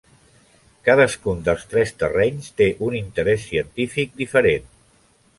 Cadascun dels tres terrenys té un interès científic diferent.